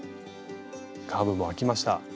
カーブもあきました。